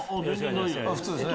普通ですね。